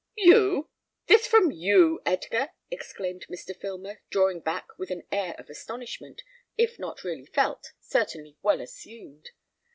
"You! This from you, Edgar!" exclaimed Mr. Filmer, drawing back with an air of astonishment, if not really felt, certainly well assumed.